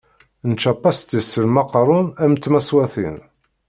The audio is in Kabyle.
Nečča pastis s lmaqarun am tmaṣwatin.